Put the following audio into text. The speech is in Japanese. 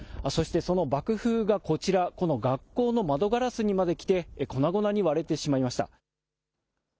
そして、その爆風がこちら、この学校の窓ガラスにまで来て、粉々に割れてしまいました。